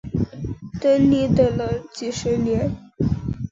等你等了几十年